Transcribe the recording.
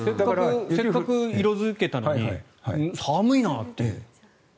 せっかく色付けたのに寒いなって。